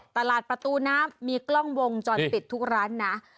ตลาดประตูน้ำมีกล้องวงจรปิดทุกร้านนะ